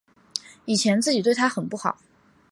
以前自己对她很不好